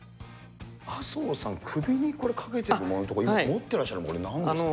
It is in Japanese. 麻生さん、首にこれかけているものとか持ってらっしゃるもの、これ、なんですか。